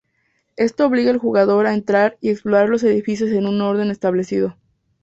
Esto obliga al jugador a entrar y explorar los edificios en un orden establecido.